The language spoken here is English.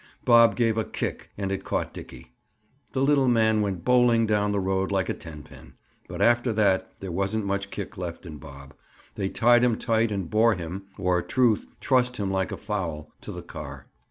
Bob gave a kick and it caught Dickie. The little man went bowling down the road like a ten pin. But after that, there wasn't much kick left in Bob. They tied him tight and bore him (or truth, trussed like a fowl), to the car.